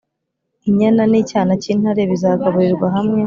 Inyana n’icyana cy’intare bizagaburirwa hamwe,